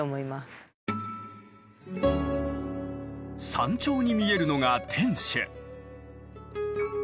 山頂に見えるのが天守。